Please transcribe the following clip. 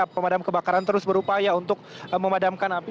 pemadam kebakaran terus berupaya untuk memadamkan api